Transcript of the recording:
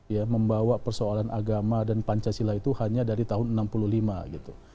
ya membawa persoalan agama dan pancasila itu hanya dari tahun seribu sembilan ratus enam puluh lima gitu